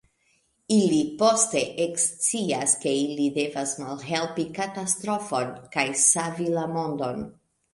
Ili poste ekscias, ke ili devas malhelpi katastrofon kaj savi la mondon.